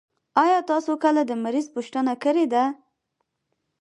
آيا تاسو کله د مريض پوښتنه کړي ده؟